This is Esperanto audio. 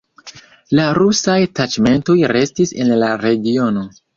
La rusaj taĉmentoj restis en la regiono.